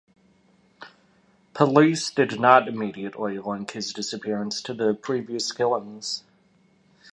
Police did not immediately link his disappearance to the previous killings.